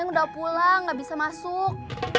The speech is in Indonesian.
udah pulang gak bisa masuk